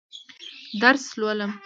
درس لولم.